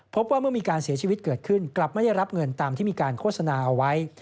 พบว่าเมื่อมีการเสียชีวิตเกิดขึ้นกลับไม่ได้รับเงินตามที่มีการโฆษณาเอาไว้